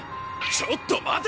ちょっと待て！